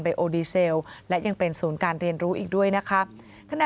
โอดีเซลและยังเป็นศูนย์การเรียนรู้อีกด้วยนะคะ